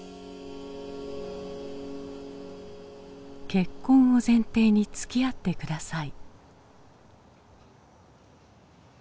「結婚を前提につきあって下さい」。